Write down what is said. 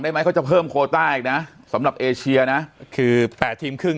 ไหมเขาจะเพิ่มโคต้าอีกนะสำหรับเอเชียนะคือแปดทีมครึ่ง